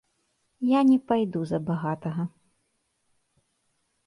Я не пайду за багатага.